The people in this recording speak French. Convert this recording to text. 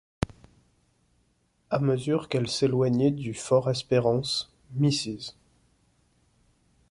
À mesure qu’elle s’éloignait du Fort-Espérance, Mrs.